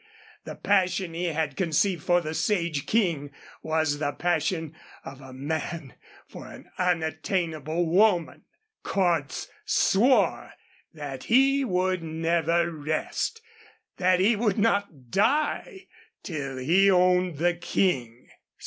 The passion he had conceived for the Sage King was the passion of a man for an unattainable woman. Cordts swore that he would never rest, that he would not die, till he owned the King.